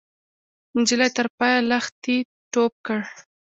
نجلۍ تر پاخه لښتي ټوپ کړ.